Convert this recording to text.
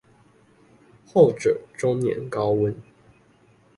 後者終年高溫